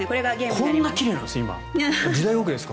こんなに奇麗なんですか？